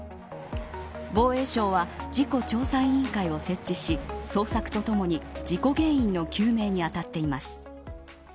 防衛省は事故調査委員会を設置し捜索とともに事故原因の究明にあたっています。